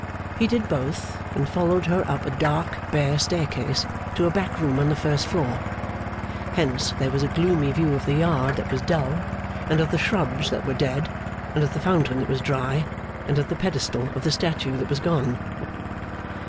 He did both, and followed her up a dark bare staircase to a back room on the first floor. Hence, there was a gloomy view of the yard that was dull, and of the shrubs that were dead, and of the fountain that was dry, and of the pedestal of the statue that was gone.